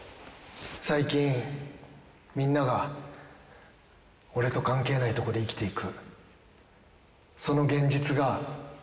最近みんなが俺と関係ないとこで生きていく。